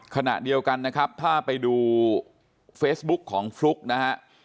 ขณะเดียวกันนะครับถ้าไปดูเฟซบุ๊กของฟลุ๊กนะฮะ